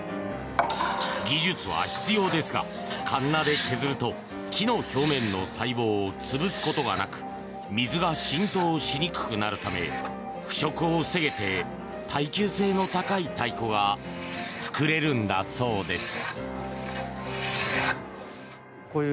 技術は必要ですがかんなで削ると木の表面の細胞を潰すことがなく水が浸透しにくくなるため腐食を防げて耐久性の高い太鼓が作れるんだそうです。